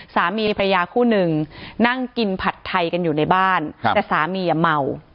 สามีพระยาคู่หนึ่งนั่งกินผัดไทยกันอยู่ในบ้านแต่สามีอ่ะเมา